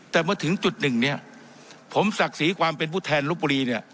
แต่เมื่อถึงจุดหนึ่งเนี่ยผมศักดิ์ศรีความเป็นผู้แทนลบบุรีเนี่ย